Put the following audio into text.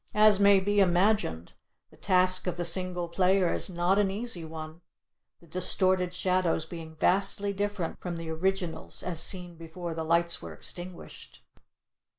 As may be imagined, the task of the single player is not an easy one, the distorted shadows being vastly different from the originals as seen before the lights were extinguished.